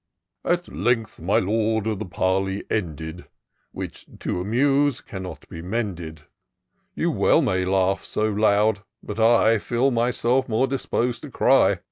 " At length, my Lord, the parley ended : Which, to amuse, cannot be mended. You well may laugh so loud, but I Feel myself more disposed to cry.